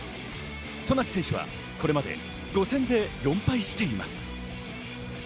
渡名喜選手はこれまで５戦で４敗しています。